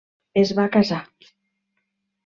Es va casar.